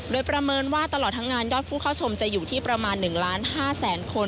โดยประเมินว่าตลอดทั้งงานยอดผู้เข้าชมจะอยู่ที่ประมาณ๑ล้าน๕แสนคน